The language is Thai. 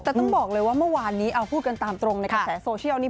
แต่ต้องบอกเลยว่าเมื่อวานนี้เอาพูดกันตามตรงในกระแสโซเชียลนี้